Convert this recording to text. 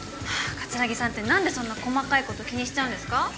ハァ桂木さんって何でそんな細かいこと気にしちゃうんですか？